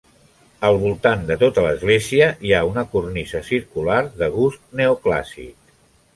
Al voltant de tota l'església hi ha una cornisa circular de gust neoclàssic.